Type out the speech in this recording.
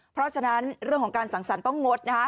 เพราะฉะนั้นเรื่องของการสั่งสรรค์ต้องงดนะฮะ